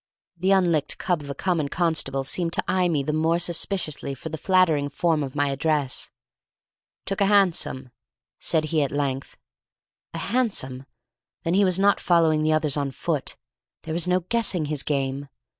The unlicked cub of a common constable seemed to eye me the more suspiciously for the flattering form of my address. "Took a hansom," said he at length. A hansom! Then he was not following the others on foot; there was no guessing his game.